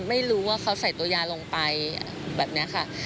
ไม่รู้ว่าเขาใส่ตัวยาลงไปแบบนี้ค่ะ